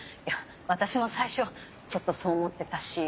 私も最初ちょっとそう思ってたし。